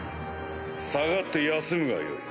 下がって休むがよい。